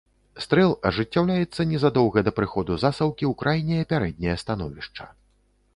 Стрэл ажыццяўляецца незадоўга да прыходу засаўкі ў крайняе пярэдняе становішча.